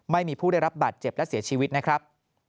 ไม่มีผู้ได้รับบาดเจ็บและเสียชีวิตนะครับ